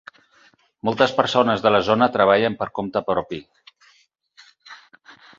Moltes persones de la zona treballen per compte propi.